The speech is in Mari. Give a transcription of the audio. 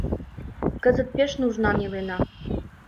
— Кызыт пеш нужнан илена.